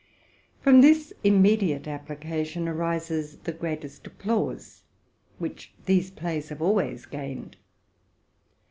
From this immediate application arises the greatest applause, which these plays have always gained.